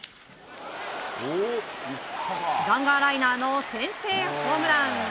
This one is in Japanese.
弾丸ライナーの先制ホームラン。